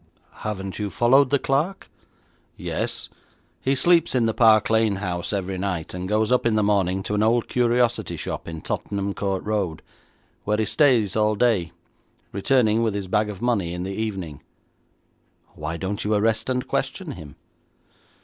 'Haven't you followed the clerk?' 'Yes. He sleeps in the Park Lane house every night, and goes up in the morning to an old curiosity shop in Tottenham Court Road, where he stays all day, returning with his bag of money in the evening.' 'Why don't you arrest and question him?'